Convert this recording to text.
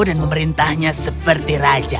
dan memerintahnya seperti raja